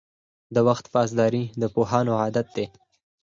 • د وخت پاسداري د پوهانو عادت دی.